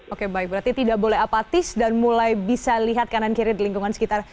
oke baik berarti tidak boleh apatis dan mulai bisa lihat kanan kiri di lingkungan sekitar